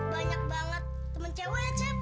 banyak banget temen cewe cep